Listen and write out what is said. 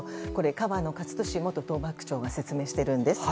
河野克俊元幕僚長が説明しているんです。